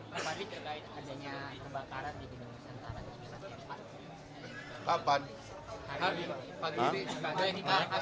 pak fahri kira kira adanya tembakaran di gedung sentara di bintang jepang